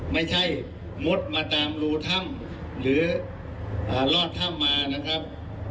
มุดมาตามรูถ้ำหรือรอดถ้ำมานะครับ